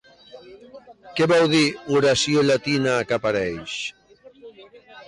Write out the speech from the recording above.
Què vol dir l'oració llatina que apareix?